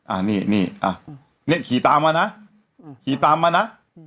อ่ะนี่นี่อ่ะเนี่ยขี่ตามมานะ